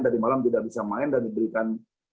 tadi malam tidak bisa main dan diberikan